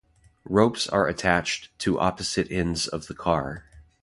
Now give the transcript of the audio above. Ropes are attached to opposite ends of the car.